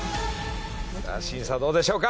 さあ審査どうでしょうか。